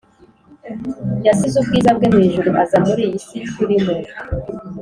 Yasiz' ubwiza bwe mw ijuru, Aza mur' iyi si turimo.